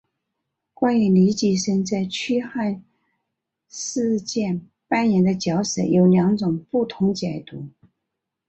关于黎吉生在驱汉事件扮演的角色有两种不同解读。